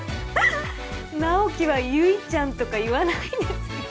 直木は悠依ちゃんとか言わないですよ